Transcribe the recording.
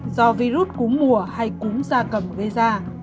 do virus cúm mùa hay cúm da cầm gây ra